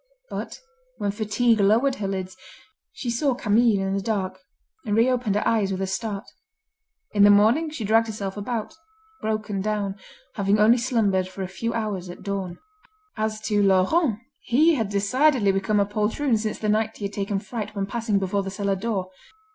But when fatigue lowered her lids, she saw Camille in the dark, and reopened her eyes with a start. In the morning she dragged herself about, broken down, having only slumbered for a few hours at dawn. As to Laurent, he had decidedly become a poltroon since the night he had taken fright when passing before the cellar door.